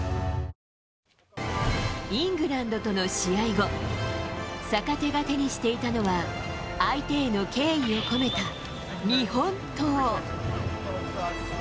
イングランドとの試合後、坂手が手にしていたのは、相手への敬意を込めた日本刀。